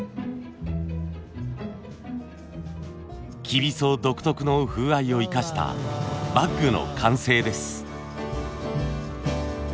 きびそ独特の風合いを生かしたバッグの完成です。